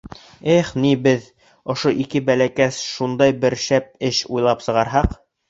Их, ни, беҙ, ошо ике бәләкәс, шундай бер шәп эш уйлап сығарһаҡ!..